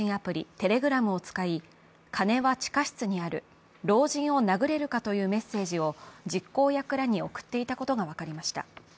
Ｔｅｌｅｇｒａｍを使い金は地下室にある、老人を殴れるかというメッセージを実行役らに送っていたことが分かりました。